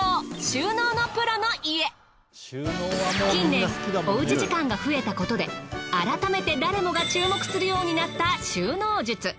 近年おウチ時間が増えたことで改めて誰もが注目するようになった収納術。